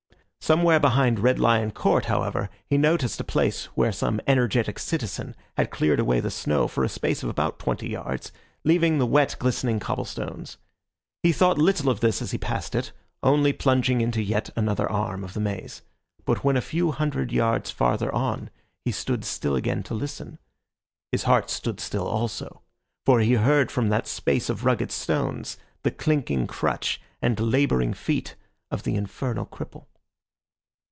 Somewhere behind Red Lion Court, however, he noticed a place where some energetic citizen had cleared away the snow for a space of about twenty yards, leaving the wet, glistening cobble stones. He thought little of this as he passed it, only plunging into yet another arm of the maze. But when a few hundred yards farther on he stood still again to listen, his heart stood still also, for he heard from that space of rugged stones the clinking crutch and labouring feet of the infernal cripple.